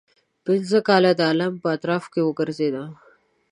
پنځه کاله د عالم په اطرافو کې وګرځېدم.